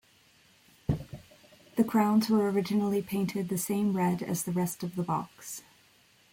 The crowns were originally painted the same red as the rest of the box.